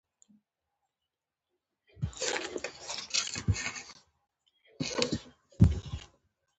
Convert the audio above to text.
مهم اهداف یې مطلق العنانیت ختمول وو.